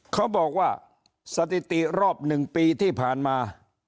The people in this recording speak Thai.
เขาบอกว่าสถิติรอบ๑ปีที่ผ่านมา